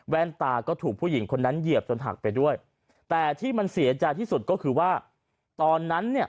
แว่นตาก็ถูกผู้หญิงคนนั้นเหยียบจนหักไปด้วยแต่ที่มันเสียจาที่สุดก็คือว่า